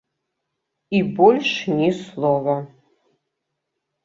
І больш ні слова.